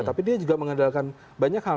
tapi dia juga mengandalkan banyak hal